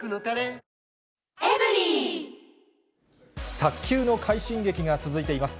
卓球の快進撃が続いています。